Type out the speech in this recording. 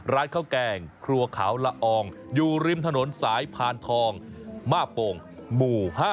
ร้านข้าวแกงครัวขาวละอองอยู่ริมถนนสายพานทองมาโป่งหมู่๕